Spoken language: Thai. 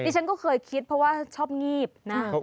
ฉันก็เคยคิดเพราะว่าชอบงีบนะ